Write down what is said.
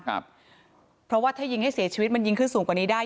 เพราะว่าถ้ายิงให้เสียชีวิตมันยิงขึ้นสูงกว่านี้ได้